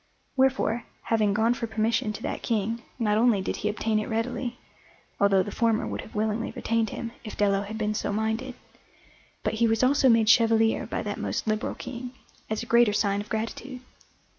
Wherefore, having gone for permission to that King, not only did he obtain it readily (although the former would have willingly retained him, if Dello had been so minded), but he was also made chevalier by that most liberal King, as a greater sign of gratitude.